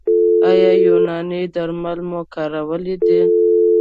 ایا یوناني درمل مو کارولي دي؟